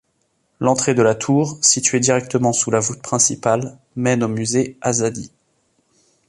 L'entrée de la tour, située directement sous la voûte principale, mène au Musée Azadi.